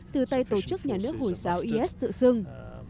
từ tay tổ chức nhà nước hủy giáo is tự dưng